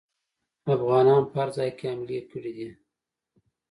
افغانانو په هر ځای کې حملې کړي دي.